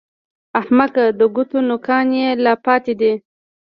احمقه! د ګوتو نوکان يې لا پاتې دي!